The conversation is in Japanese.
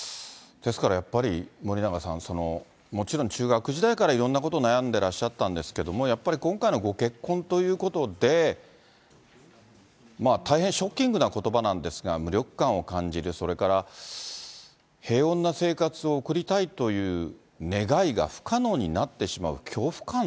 ですからやっぱり、森永さん、もちろん中学時代から、いろんなこと悩んでらっしゃったんですけども、やっぱり今回のご結婚ということで、大変ショッキングなことばなんですが、無力感を感じる、それから平穏な生活を送りたいという願いが不可能になってしまう恐怖感。